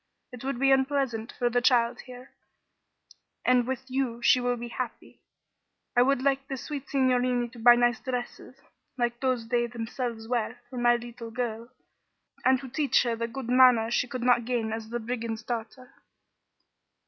It would be unpleasant for the child here, and with you she will be so happy. I would like the sweet signorini to buy nice dresses, like those they themselves wear, for my little girl, and to teach her the good manners she could not gain as the brigand's daughter.